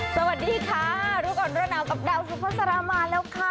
สวัสดีค่ะรู้ก่อนร้อนหนาวกับดาวสุภาษามาแล้วค่ะ